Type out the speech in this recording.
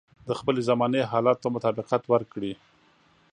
د خپلې زمانې حالاتو ته مطابقت ورکړي.